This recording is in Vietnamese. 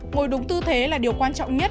ngồi đúng tư thế là điều quan trọng nhất